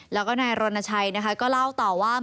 แล้วก็นายรณชัยนะคะก็เล่าต่อว่า